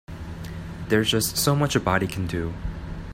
There's just so much a body can do.